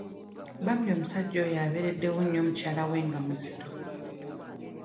Bambi omusajja oyo abeereddewo nnyo mukyala we nga muzito.